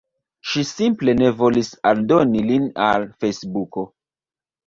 Ŝi simple ne volis aldoni lin al Fejsbuko.